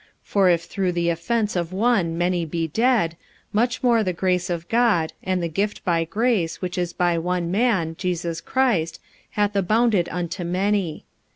For if through the offence of one many be dead, much more the grace of God, and the gift by grace, which is by one man, Jesus Christ, hath abounded unto many.